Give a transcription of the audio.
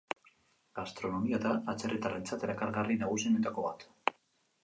Gastronomia da atzerritarrentzat erakargarri nagusienetako bat.